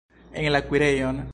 En la kuirejon!